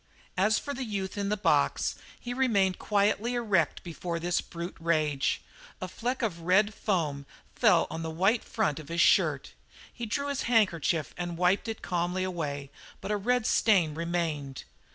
As for the youth in the box, he remained quietly erect before this brute rage. A fleck of red foam fell on the white front of his shirt. He drew his handkerchief and wiped it calmly away, but a red stain remained.